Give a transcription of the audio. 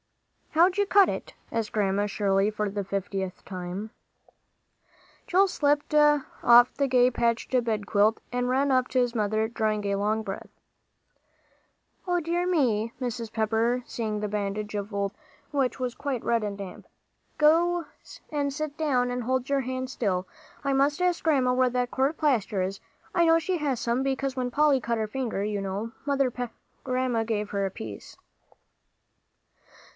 "How'd you cut it?" asked Grandma, shrilly, for the fiftieth time. Joel slipped off the gay patched bedquilt, and ran up to his mother, drawing a long breath. "O dear me!" exclaimed Mrs. Pepper, seeing the bandage of old cloth, which was quite red and damp. "Go and sit down and hold your hand still. I must ask Grandma where that court plaster is. I know she has some, because when Polly cut her finger, you know, Grandma gave her a piece."